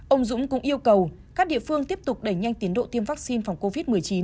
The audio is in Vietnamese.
ông dũng cũng yêu cầu các địa phương tiếp tục đẩy nhanh tiến độ tiêm vaccine phòng covid một mươi chín